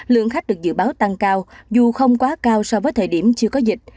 lượng khách được dự báo tăng cao dù không quá cao so với thời điểm chưa có dịch